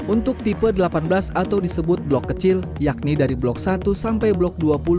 untuk tipe delapan belas atau disebut blok kecil yakni dari blok satu sampai blok dua puluh